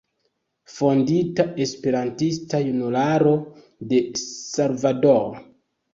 Fondita Esperantista Junularo de Salvador.